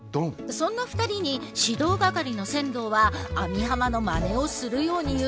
そんな２人に指導係の千堂は網浜のまねをするように言う。